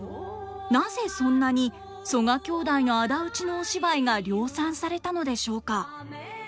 なぜそんなに曽我兄弟の仇討ちのお芝居が量産されたのでしょうか？